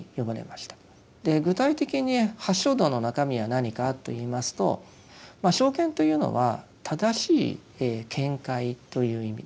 具体的に八正道の中身は何かといいますと「正見」というのは「正しい見解」という意味です。